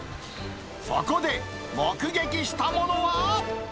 そこで目撃したものは。